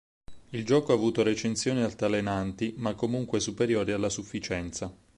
Il gioco ha avuto recensioni altalenanti, ma comunque superiori alla sufficienza.